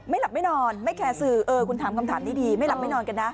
หลับไม่นอนไม่แคร์สื่อเออคุณถามคำถามนี้ดีไม่หลับไม่นอนกันนะ